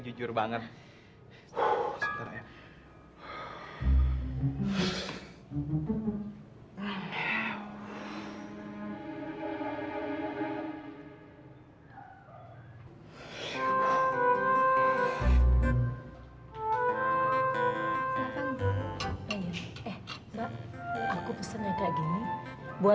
cincinnya beda ya